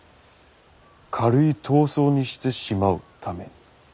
軽い痘瘡にしてしまうために。